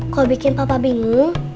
kalau bikin papa bingung